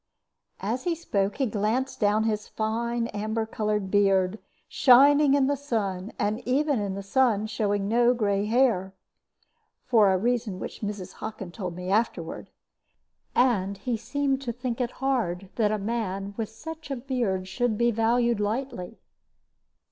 As he spoke he glanced down his fine amber colored beard, shining in the sun, and even in the sun showing no gray hair (for a reason which Mrs. Hockin told me afterward), and he seemed to think it hard that a man with such a beard should be valued lightly.